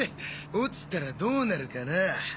落ちたらどうなるかな？